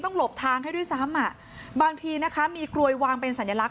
หลบทางให้ด้วยซ้ำอ่ะบางทีนะคะมีกลวยวางเป็นสัญลักษ